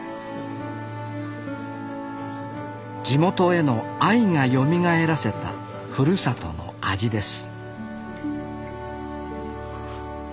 地元への愛がよみがえらせたふるさとの味です